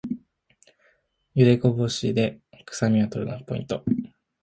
ゆでこぼしでくさみを取るのがポイント